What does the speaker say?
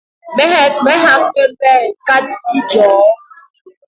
Me nha kembe kat i joo